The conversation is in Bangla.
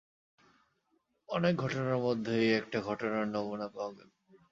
অনেক ঘটনার মধ্যে এই একটা ঘটনার নমুনা দেওয়া গেল।